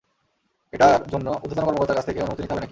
এটা জন্য ঊর্ধ্বতন কর্মকর্তার কাছ থেকে অনুমতি নিতে হবে নাকি?